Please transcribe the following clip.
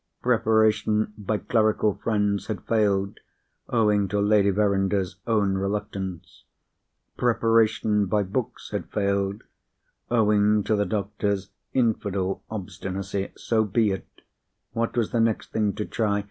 Preparation by clerical friends had failed, owing to Lady Verinder's own reluctance. Preparation by books had failed, owing to the doctor's infidel obstinacy. So be it! What was the next thing to try?